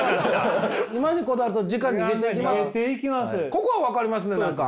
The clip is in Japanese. ここは分かりますね何か。